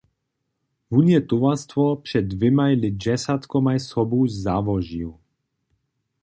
Wón je towarstwo před dwěmaj lětdźesatkomaj sobu załožił.